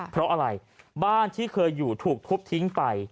เพราะอะไรบ้านที่เคยอยู่ถูกทุบทิ้งไป